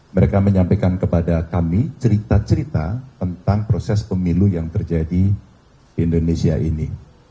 mereka menyampaikan kepada kami cerita cerita tentang proses pemilu yang terjadi di indonesia ini